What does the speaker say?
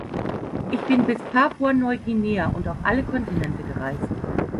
Ich bin bis Papua-Neuguinea und auf alle Kontinente gereist.